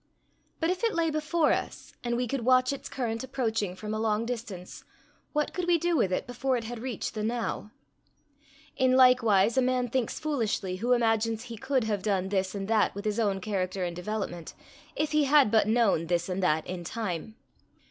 But if it lay before us, and we could watch its current approaching from a long distance, what could we do with it before it had reached the now? In like wise a man thinks foolishly who imagines he could have done this and that with his own character and development, if he had but known this and that in time.